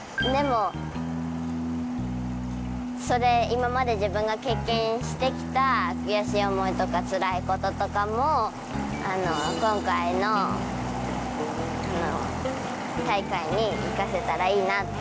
今まで自分が経験して来た悔しい思いとかつらいこととかも今回の大会に生かせたらいいなって思ってます。